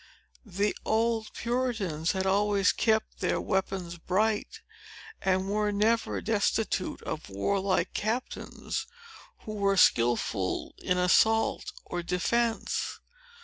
The old Puritans had always kept their weapons bright, and were never destitute of warlike captains, who were skilful in assault or defence.